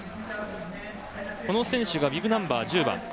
この選手はビブナンバー１０番。